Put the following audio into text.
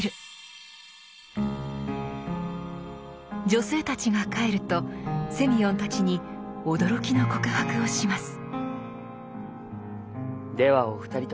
女性たちが帰るとセミヨンたちに驚きの告白をします。